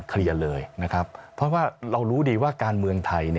เคลียร์เลยนะครับเพราะว่าเรารู้ดีว่าการเมืองไทย